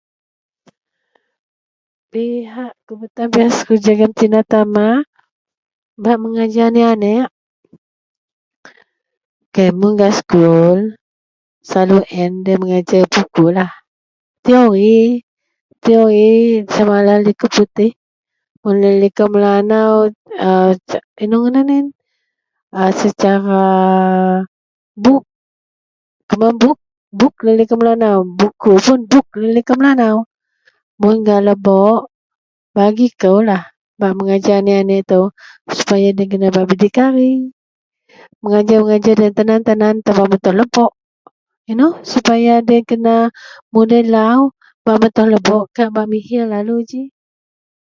Hal jegam tina tama bak mengajar aniek-aniek kei mun gak sekul selalu an lo yian a mengajar bukulah teori samalah likou putih mun likou melanau inou ngadan secara buk buku buk laei likou melanau mun gak lebok bagi kou lah mengajar aniek -aniek supaya lo yian bak kena berdikari tan an tan cara-cara ba metoh lebok supaya lo yian tau tan an mudei lau bak metoh lebok ka bak miher lalu ji.